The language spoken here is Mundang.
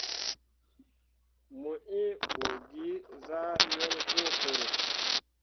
Mo inɓugezah wel wũ koro.